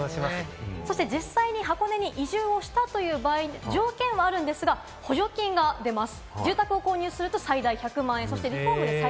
実際に箱根に移住をしたという場合、条件はあるんですが、補助金が出ます。